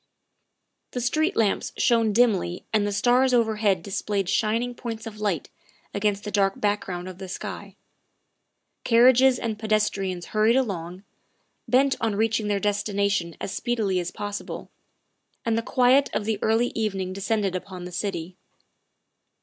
The street lamps shone dimly and the stars overhead displayed shining points of light against the dark back ground of the sky. Carriages and pedestrians hurried along, bent on reaching their destination as speedily as possible, and the quiet of the early evening descended upon the city.